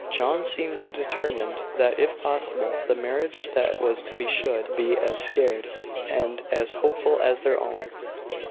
John seemed determined that, if possible, the marriage that was to be should be as sacred and as hopeful as their own.